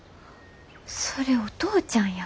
それお父ちゃんや。